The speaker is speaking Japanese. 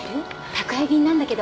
宅配便なんだけど。